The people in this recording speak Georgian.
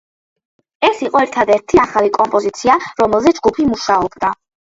ეს იყო ერთადერთი ახალი კომპოზიცია, რომელზეც ჯგუფი მუშაობდა.